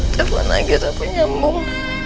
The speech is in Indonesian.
telfon lagi sampe nyambung